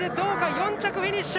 ４着フィニッシュ！